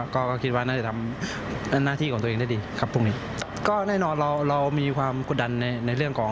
ก็ก็คิดว่าน่าจะทำหน้าที่ของตัวเองได้ดีครับพรุ่งนี้ก็แน่นอนเราเรามีความกดดันในในเรื่องของ